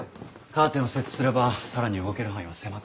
カーテンを設置すればさらに動ける範囲は狭くなる。